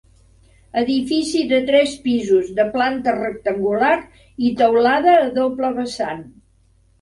Edifici de tres pisos, de planta rectangular i teulada a doble vessant.